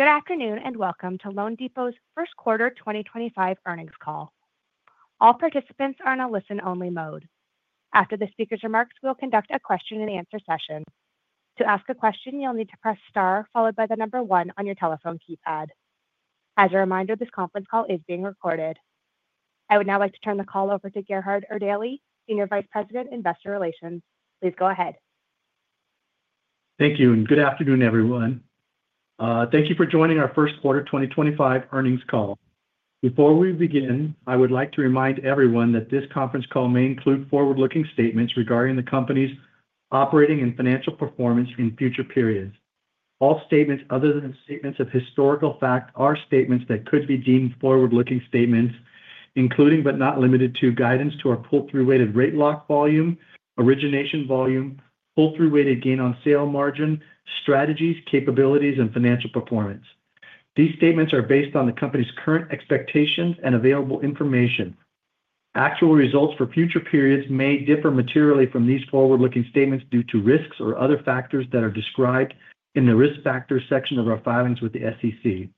Good afternoon and welcome to loanDepot's First Quarter 2025 Earnings Call. All participants are in a listen-only mode. After the speaker's remarks, we'll conduct a question-and-answer session. To ask a question, you'll need to press star followed by the number one on your telephone keypad. As a reminder, this conference call is being recorded. I would now like to turn the call over to Gerhard Erdelji, Senior Vice President, Investor Relations. Please go ahead. Thank you, and good afternoon, everyone. Thank you for joining our First Quarter 2025 Earnings Call. Before we begin, I would like to remind everyone that this conference call may include forward-looking statements regarding the company's operating and financial performance in future periods. All statements other than statements of historical fact are statements that could be deemed forward-looking statements, including but not limited to guidance to our pull-through-weighted rate lock volume, origination volume, pull-through-weighted gain-on-sale margin, strategies, capabilities, and financial performance. These statements are based on the company's current expectations and available information. Actual results for future periods may differ materially from these forward-looking statements due to risks or other factors that are described in the risk factors section of our filings with the SEC.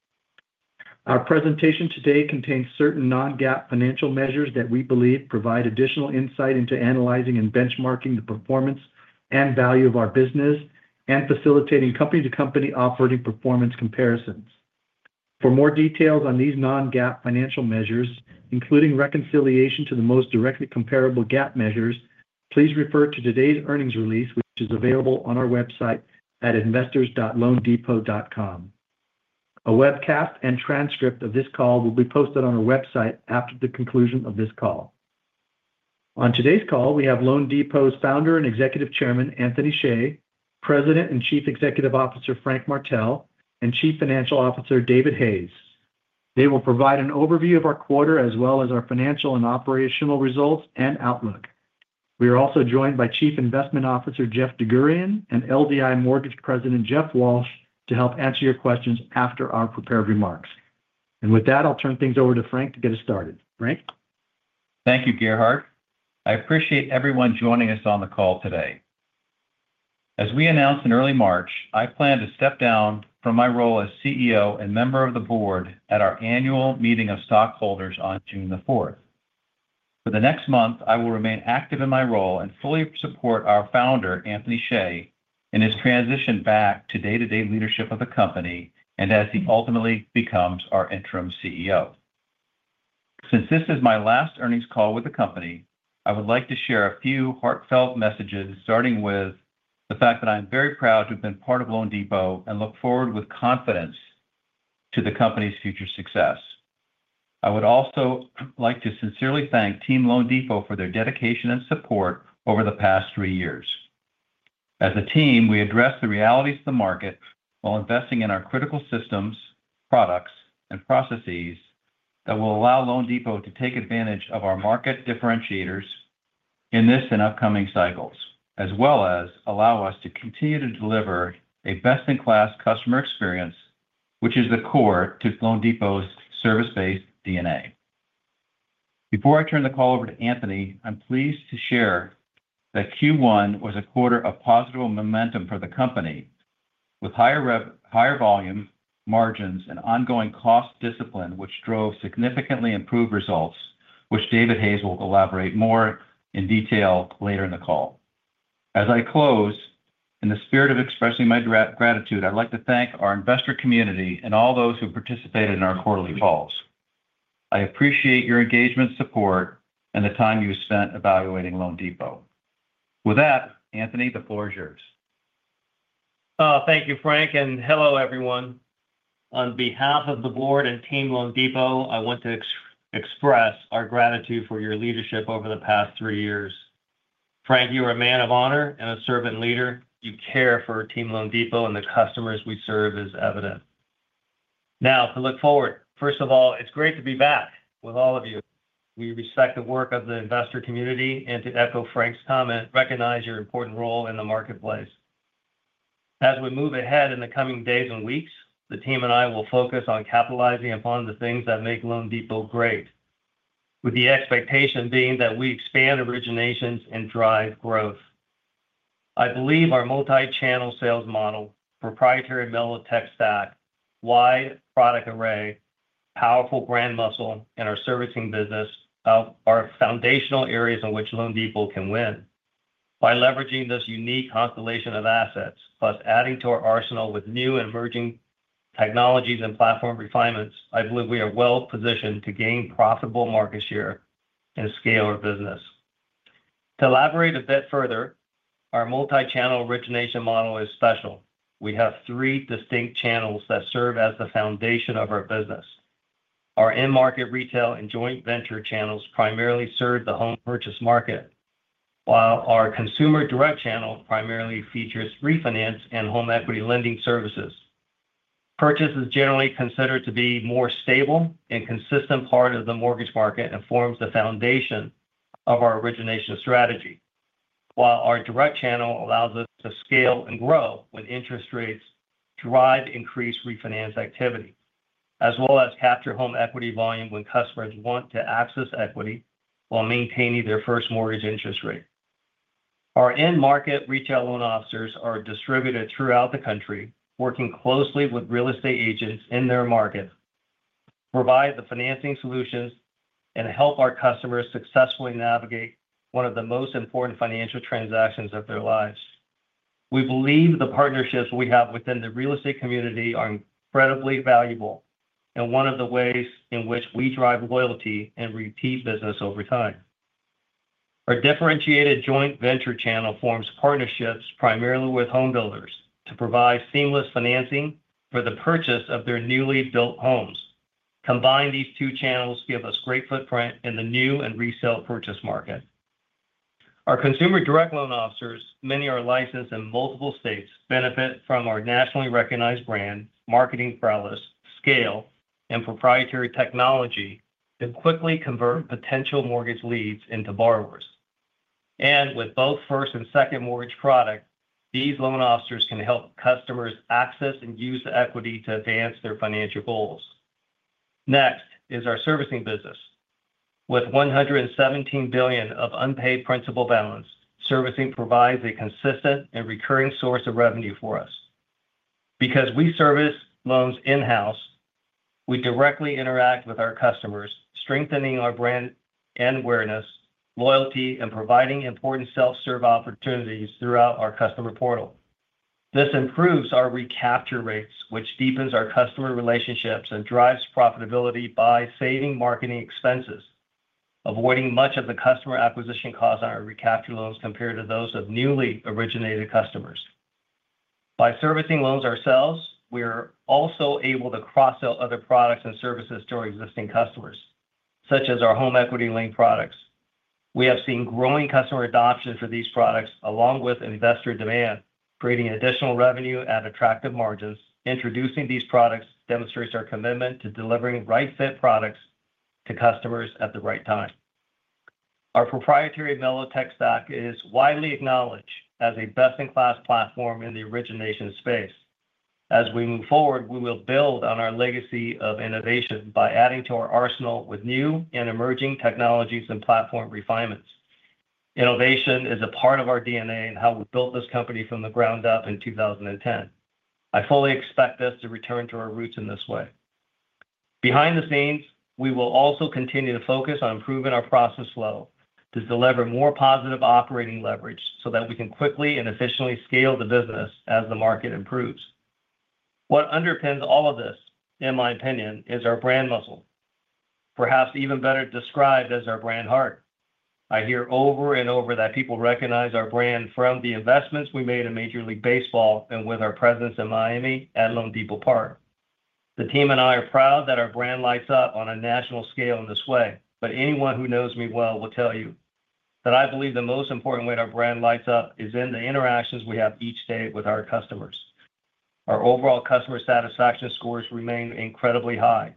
Our presentation today contains certain non-GAAP financial measures that we believe provide additional insight into analyzing and benchmarking the performance and value of our business and facilitating company-to-company operating performance comparisons. For more details on these non-GAAP financial measures, including reconciliation to the most directly comparable GAAP measures, please refer to today's earnings release, which is available on our website at investors.loanDepot.com. A webcast and transcript of this call will be posted on our website after the conclusion of this call. On today's call, we have loanDepot's Founder and Executive Chairman, Anthony Hsieh, President and Chief Executive Officer, Frank Martell, and Chief Financial Officer, David Hayes. They will provide an overview of our quarter as well as our financial and operational results and outlook. We are also joined by Chief Investment Officer, Jeff DerGurahian, and LDI Mortgage President, Jeff Walsh, to help answer your questions after our prepared remarks. With that, I'll turn things over to Frank to get us started. Frank? Thank you, Gerhard. I appreciate everyone joining us on the call today. As we announced in early March, I plan to step down from my role as CEO and member of the board at our annual meeting of stockholders on June 4. For the next month, I will remain active in my role and fully support our founder, Anthony Hsieh, in his transition back to day-to-day leadership of the company and as he ultimately becomes our interim CEO. Since this is my last earnings call with the company, I would like to share a few heartfelt messages, starting with the fact that I am very proud to have been part of loanDepot and look forward with confidence to the company's future success. I would also like to sincerely thank Team loanDepot for their dedication and support over the past three years. As a team, we address the realities of the market while investing in our critical systems, products, and processes that will allow loanDepot to take advantage of our market differentiators in this and upcoming cycles, as well as allow us to continue to deliver a best-in-class customer experience, which is the core to loanDepot's service-based DNA. Before I turn the call over to Anthony, I'm pleased to share that Q1 was a quarter of positive momentum for the company, with higher volume margins and ongoing cost discipline, which drove significantly improved results, which David Hayes will elaborate more in detail later in the call. As I close, in the spirit of expressing my gratitude, I'd like to thank our investor community and all those who participated in our quarterly calls. I appreciate your engagement, support, and the time you spent evaluating loanDepot. With that, Anthony, the floor is yours. Thank you, Frank, and hello, everyone. On behalf of the board and Team loanDepot, I want to express our gratitude for your leadership over the past three years. Frank, you are a man of honor and a servant leader. You care for Team loanDepot, and the customers we serve is evident. Now, to look forward, first of all, it's great to be back with all of you. We respect the work of the investor community, and to echo Frank's comment, recognize your important role in the marketplace. As we move ahead in the coming days and weeks, the team and I will focus on capitalizing upon the things that make loanDepot great, with the expectation being that we expand originations and drive growth. I believe our multi-channel sales model, proprietary mello tech stack, wide product array, powerful brand muscle, and our servicing business are foundational areas in which loanDepot can win. By leveraging this unique constellation of assets, plus adding to our arsenal with new and emerging technologies and platform refinements, I believe we are well-positioned to gain profitable market share and scale our business. To elaborate a bit further, our multi-channel origination model is special. We have three distinct channels that serve as the foundation of our business. Our in-market retail and joint venture channels primarily serve the home purchase market, while our consumer direct channel primarily features refinance and home equity lending services. Purchase is generally considered to be a more stable and consistent part of the mortgage market and forms the foundation of our origination strategy, while our direct channel allows us to scale and grow when interest rates drive increased refinance activity, as well as capture home equity volume when customers want to access equity while maintaining their first mortgage interest rate. Our in-market retail loan officers are distributed throughout the country, working closely with real estate agents in their markets, provide the financing solutions, and help our customers successfully navigate one of the most important financial transactions of their lives. We believe the partnerships we have within the real estate community are incredibly valuable and one of the ways in which we drive loyalty and repeat business over time. Our differentiated joint venture channel forms partnerships primarily with homebuilders to provide seamless financing for the purchase of their newly built homes. Combining these two channels gives us great footprint in the new and resale purchase market. Our consumer direct loan officers, many are licensed in multiple states, benefit from our nationally recognized brand, marketing prowess, scale, and proprietary technology to quickly convert potential mortgage leads into borrowers. With both first and second mortgage products, these loan officers can help customers access and use the equity to advance their financial goals. Next is our servicing business. With $117 billion of unpaid principal balance, servicing provides a consistent and recurring source of revenue for us. Because we service loans in-house, we directly interact with our customers, strengthening our brand and awareness, loyalty, and providing important self-serve opportunities throughout our customer portal. This improves our recapture rates, which deepens our customer relationships and drives profitability by saving marketing expenses, avoiding much of the customer acquisition costs on our recapture loans compared to those of newly originated customers. By servicing loans ourselves, we are also able to cross-sell other products and services to our existing customers, such as our home equity lending products. We have seen growing customer adoption for these products along with investor demand, creating additional revenue at attractive margins. Introducing these products demonstrates our commitment to delivering right-fit products to customers at the right time. Our proprietary mello tech stack is widely acknowledged as a best-in-class platform in the origination space. As we move forward, we will build on our legacy of innovation by adding to our arsenal with new and emerging technologies and platform refinements. Innovation is a part of our DNA and how we built this company from the ground up in 2010. I fully expect us to return to our roots in this way. Behind the scenes, we will also continue to focus on improving our process flow to deliver more positive operating leverage so that we can quickly and efficiently scale the business as the market improves. What underpins all of this, in my opinion, is our brand muscle, perhaps even better described as our brand heart. I hear over and over that people recognize our brand from the investments we made in Major League Baseball and with our presence in Miami at loanDepot Park. The team and I are proud that our brand lights up on a national scale in this way, but anyone who knows me well will tell you that I believe the most important way our brand lights up is in the interactions we have each day with our customers. Our overall customer satisfaction scores remain incredibly high,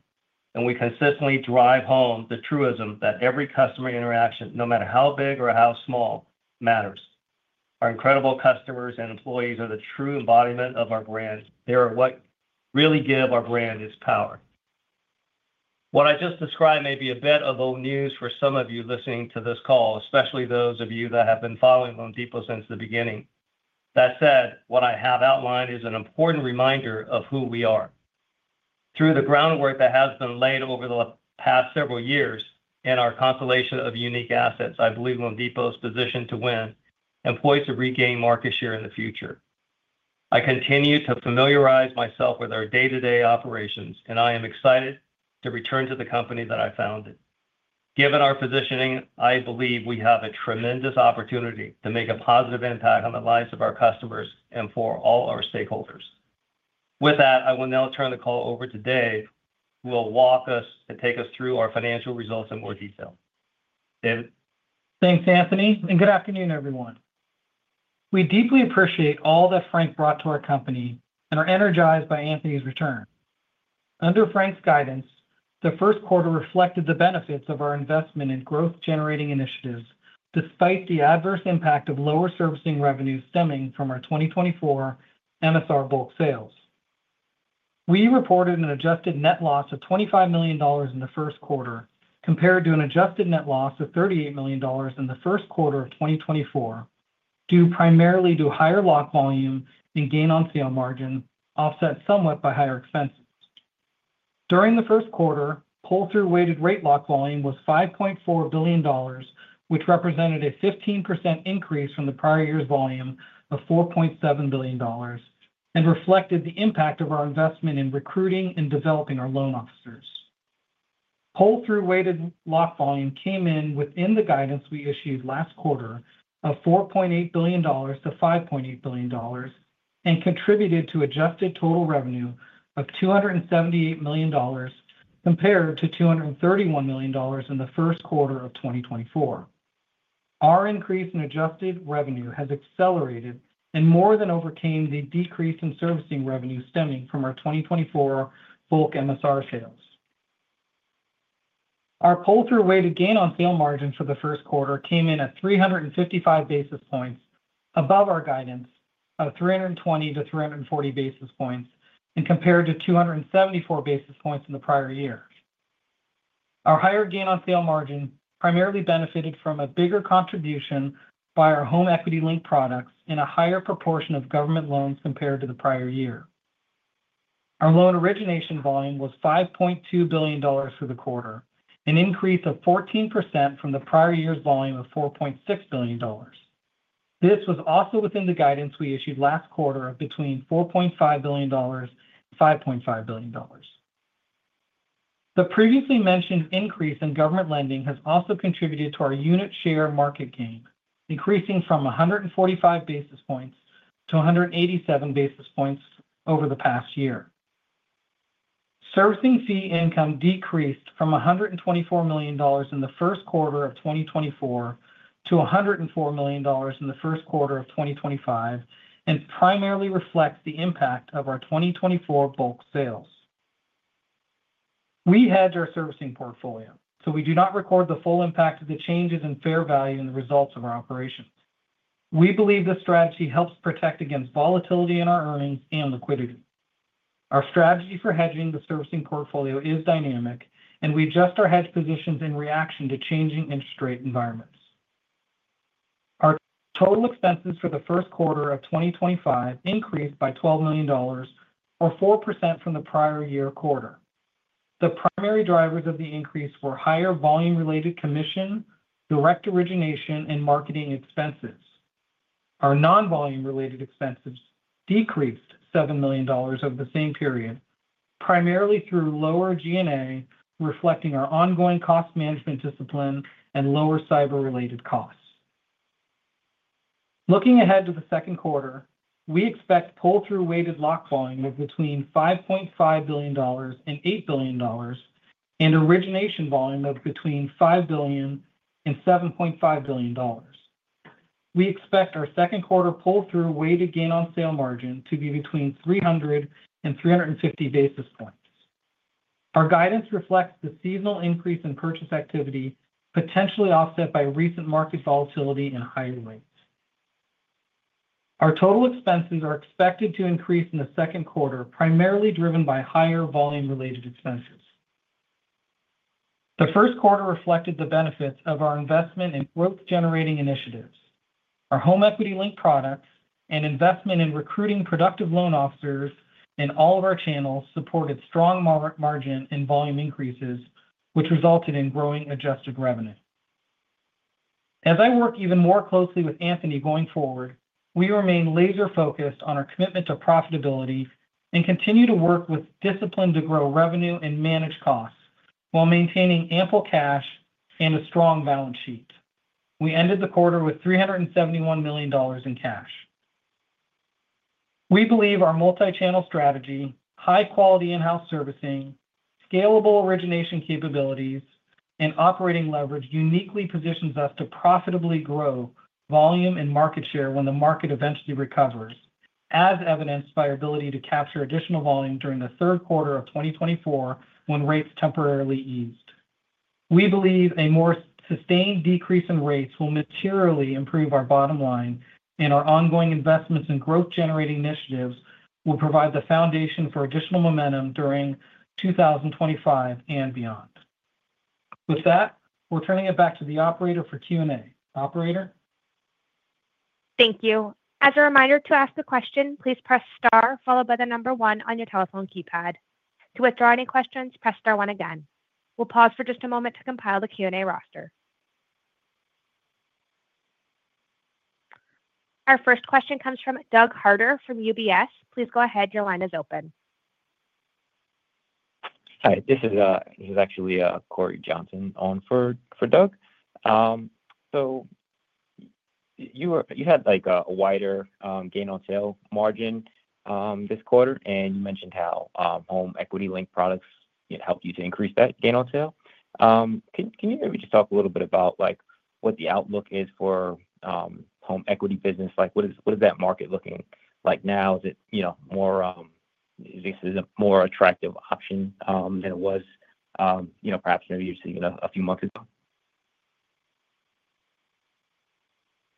and we consistently drive home the truism that every customer interaction, no matter how big or how small, matters. Our incredible customers and employees are the true embodiment of our brand. They are what really give our brand its power. What I just described may be a bit of old news for some of you listening to this call, especially those of you that have been following loanDepot since the beginning. That said, what I have outlined is an important reminder of who we are. Through the groundwork that has been laid over the past several years in our constellation of unique assets, I believe loanDepot is positioned to win and poised to regain market share in the future. I continue to familiarize myself with our day-to-day operations, and I am excited to return to the company that I founded. Given our positioning, I believe we have a tremendous opportunity to make a positive impact on the lives of our customers and for all our stakeholders. With that, I will now turn the call over to David, who will walk us and take us through our financial results in more detail. David. Thanks, Anthony, and good afternoon, everyone. We deeply appreciate all that Frank brought to our company and are energized by Anthony's return. Under Frank's guidance, the first quarter reflected the benefits of our investment in growth-generating initiatives despite the adverse impact of lower servicing revenues stemming from our 2024 MSR bulk sales. We reported an adjusted net loss of $25 million in the first quarter compared to an adjusted net loss of $38 million in the first quarter of 2024 due primarily to higher lock volume and gain-on-sale margin, offset somewhat by higher expenses. During the first quarter, pull-through-weighted rate lock volume was $5.4 billion, which represented a 15% increase from the prior year's volume of $4.7 billion and reflected the impact of our investment in recruiting and developing our loan officers. Pull-through-weighted lock volume came in within the guidance we issued last quarter of $4.8 billion-$5.8 billion and contributed to adjusted total revenue of $278 million compared to $231 million in the first quarter of 2024. Our increase in adjusted revenue has accelerated and more than overcame the decrease in servicing revenue stemming from our 2024 bulk MSR sales. Our pull-through-weighted gain-on-sale margin for the first quarter came in at 355 basis points above our guidance of 320-340 basis points and compared to 274 basis points in the prior year. Our higher gain-on-sale margin primarily benefited from a bigger contribution by our home equity lending products and a higher proportion of government loans compared to the prior year. Our loan origination volume was $5.2 billion for the quarter, an increase of 14% from the prior year's volume of $4.6 billion. This was also within the guidance we issued last quarter of between $4.5 billion and $5.5 billion. The previously mentioned increase in government lending has also contributed to our unit share market gain, increasing from 145 basis points to 187 basis points over the past year. Servicing fee income decreased from $124 million in the first quarter of 2024 to $104 million in the first quarter of 2025 and primarily reflects the impact of our 2024 bulk sales. We hedge our servicing portfolio, so we do not record the full impact of the changes in fair value in the results of our operations. We believe this strategy helps protect against volatility in our earnings and liquidity. Our strategy for hedging the servicing portfolio is dynamic, and we adjust our hedge positions in reaction to changing interest rate environments. Our total expenses for the first quarter of 2025 increased by $12 million, or 4% from the prior year quarter. The primary drivers of the increase were higher volume-related commission, direct origination, and marketing expenses. Our non-volume-related expenses decreased $7 million over the same period, primarily through lower G&A, reflecting our ongoing cost management discipline and lower cyber-related costs. Looking ahead to the second quarter, we expect pull-through-weighted lock volume of between $5.5 billion and $8 billion, and origination volume of between $5 billion and $7.5 billion. We expect our second quarter pull-through-weighted gain-on-sale margin to be between 300 and 350 basis points. Our guidance reflects the seasonal increase in purchase activity potentially offset by recent market volatility and higher rates. Our total expenses are expected to increase in the second quarter, primarily driven by higher volume-related expenses. The first quarter reflected the benefits of our investment in growth-generating initiatives. Our home equity-linked products and investment in recruiting productive loan officers in all of our channels supported strong margin and volume increases, which resulted in growing adjusted revenue. As I work even more closely with Anthony going forward, we remain laser-focused on our commitment to profitability and continue to work with discipline to grow revenue and manage costs while maintaining ample cash and a strong balance sheet. We ended the quarter with $371 million in cash. We believe our multi-channel strategy, high-quality in-house servicing, scalable origination capabilities, and operating leverage uniquely positions us to profitably grow volume and market share when the market eventually recovers, as evidenced by our ability to capture additional volume during the third quarter of 2024 when rates temporarily eased. We believe a more sustained decrease in rates will materially improve our bottom line, and our ongoing investments in growth-generating initiatives will provide the foundation for additional momentum during 2025 and beyond. With that, we're turning it back to the operator for Q&A. Operator? Thank you. As a reminder, to ask a question, please press Star, followed by the number one on your telephone keypad. To withdraw any questions, press Star one again. We'll pause for just a moment to compile the Q&A roster. Our first question comes from Doug Harter from UBS. Please go ahead. Your line is open. Hi. This is actually Cory Johnson on for Doug. You had a wider gain-on-sale margin this quarter, and you mentioned how home equity lending products helped you to increase that gain-on-sale. Can you maybe just talk a little bit about what the outlook is for home equity business? What is that market looking like now? Is it more— is this a more attractive option than it was perhaps maybe you're seeing a few months ago?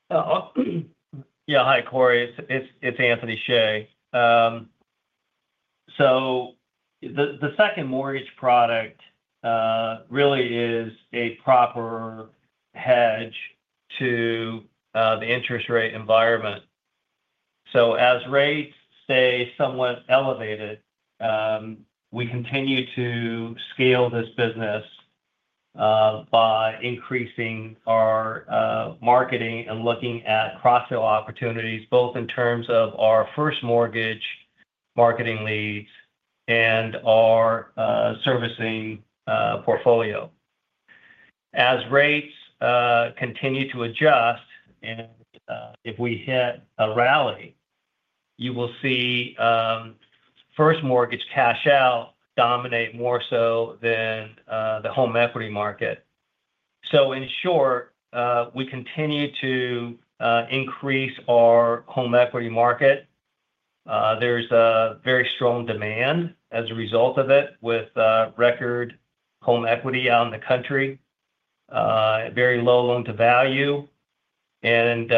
Yeah. Hi, Cory. It's Anthony Hsieh. The second mortgage product really is a proper hedge to the interest rate environment. As rates stay somewhat elevated, we continue to scale this business by increasing our marketing and looking at cross-sale opportunities, both in terms of our first mortgage marketing leads and our servicing portfolio. As rates continue to adjust, and if we hit a rally, you will see first mortgage cash-out dominate more so than the home equity market. In short, we continue to increase our home equity market. There is very strong demand as a result of it with record home equity out in the country, very low loan-to-value, and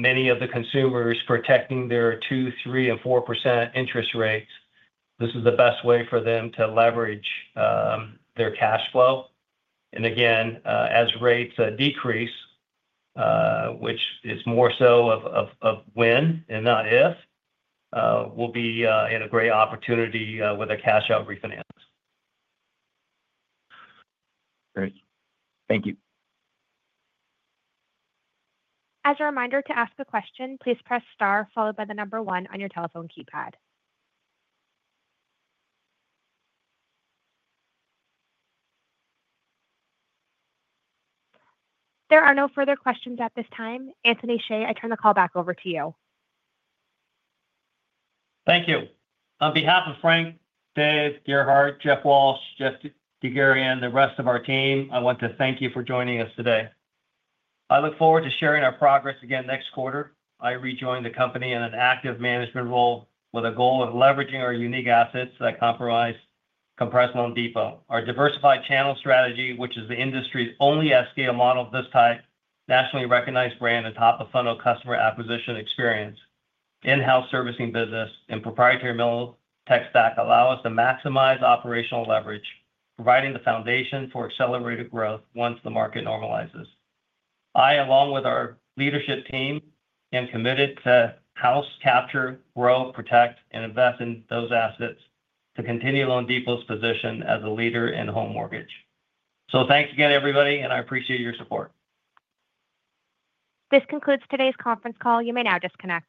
many of the consumers protecting their 2%, 3%, and 4% interest rates. This is the best way for them to leverage their cash flow. As rates decrease, which is more so of when and not if, we'll be in a great opportunity with a cash-out refinance. Great. Thank you. As a reminder to ask a question, please press star, followed by the number one on your telephone keypad. There are no further questions at this time. Anthony Hsieh, I turn the call back over to you. Thank you. On behalf of Frank, Dave, Gerhard, Jeff Walsh, Jeff DerGurahian, and the rest of our team, I want to thank you for joining us today. I look forward to sharing our progress again next quarter. I rejoined the company in an active management role with a goal of leveraging our unique assets that comprise loanDepot. Our diversified channel strategy, which is the industry's only at-scale model of this type, nationally recognized brand on top of funnel customer acquisition experience, in-house servicing business, and proprietary mello tech stack allow us to maximize operational leverage, providing the foundation for accelerated growth once the market normalizes. I, along with our leadership team, am committed to house, capture, grow, protect, and invest in those assets to continue loanDepot's position as a leader in home mortgage. Thanks again, everybody, and I appreciate your support. This concludes today's conference call. You may now disconnect.